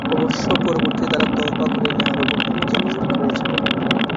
অবশ্য পরবর্তীতে তারা তওবা করে নেয়ারও গোপন ইচ্ছা পোষণ করেছিল।